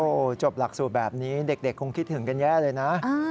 โอ้โหจบหลักสูตรแบบนี้เด็กคงคิดถึงกันแย่เลยนะ